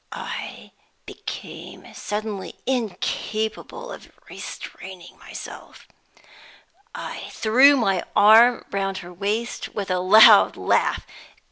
I became suddenly incapable of restraining myself. I threw my arm round her waist with a loud laugh.